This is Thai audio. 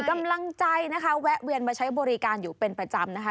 กำลังใจนะคะแวะเวียนมาใช้บริการอยู่เป็นประจำนะคะ